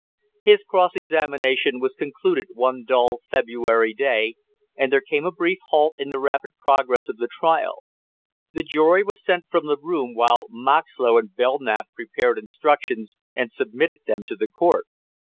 His cross examination was concluded one dull February day, and there came a brief halt in the rapid progress of the trial; the jury was sent from the room while Moxlow and Belknap prepared instructions and submitted them to the court.